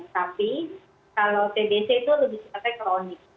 tapi kalau tbc itu lebih sifatnya kronik